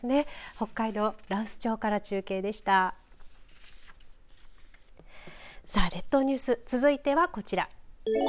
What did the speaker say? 北海道羅臼町から中継でしたさあ、列島ニュース続いてはこちら。